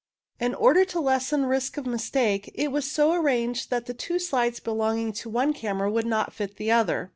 In order to lessen risk of mistake, it was so arranged that the two slides belonging to one camera would not fit the other.